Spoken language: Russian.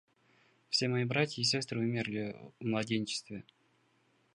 Все мои братья и сестры умерли во младенчестве.